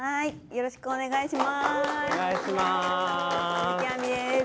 よろしくお願いします。